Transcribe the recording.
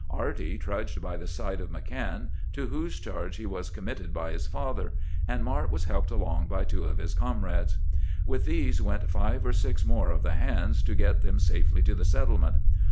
Arty trudged by the side of McCann, to whose charge he was committed by his father, and Mart was helped along by two of his comrades. With these went five or six more of the hands, to get them safely to the settlement.